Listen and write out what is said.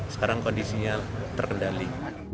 sekarang kondisinya terendali